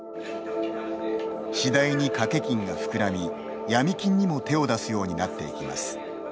次第に賭け金が膨らみヤミ金にも手を出すようになっていきます。